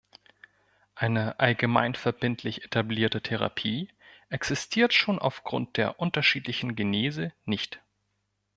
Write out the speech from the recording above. Eine allgemeinverbindlich etablierte Therapie existiert schon auf Grund der unterschiedlichen Genese nicht.